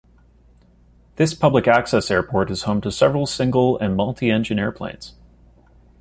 This public access airport is home to several single and multiengine airplanes.